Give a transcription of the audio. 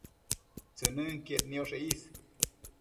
tsënënquied nioshe is